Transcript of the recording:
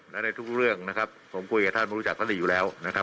และในทุกเรื่องนะครับผมคุยกับท่านไม่รู้จักท่านลีอยู่แล้วนะครับ